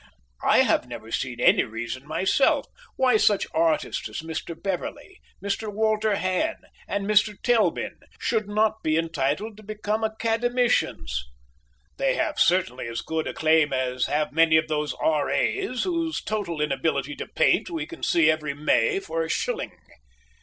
I have never seen any reason myself why such artists as Mr. Beverley, Mr. Walter Hann, and Mr. Telbin should not be entitled to become Academicians. They have certainly as good a claim as have many of those R.A.'s whose total inability to paint we can see every May for a shilling.